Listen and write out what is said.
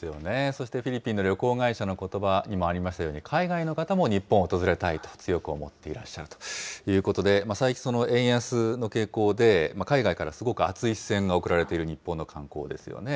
そしてフィリピンの旅行会社のことばにもありましたように、海外の方も日本を訪れたいと強く思っていらっしゃるということで、最近、円安の傾向で海外からすごく熱い視線が送られている日本の観光ですよね。